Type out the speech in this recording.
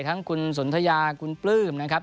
ทั้งคุณสนทยาคุณปลื้มนะครับ